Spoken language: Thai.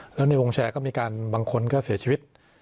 แล้วในวงแชร์ก็มีการบางคนก็เสียชีวิต